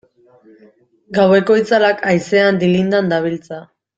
Gaueko itzalak haizean dilindan dabiltza.